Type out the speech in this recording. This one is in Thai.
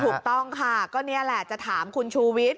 ถูกต้องค่ะก็นี่แหละจะถามคุณชูวิทย